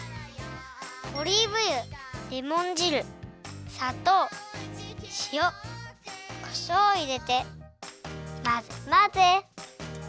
オリーブ油レモン汁さとうしおこしょうをいれてまぜまぜ！